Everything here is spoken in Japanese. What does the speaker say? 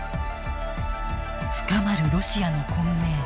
深まるロシアの混迷。